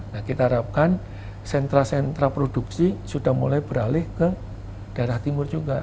nah kita harapkan sentra sentra produksi sudah mulai beralih ke daerah timur juga